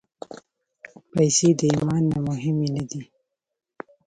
پېسې د ایمان نه مهمې نه دي.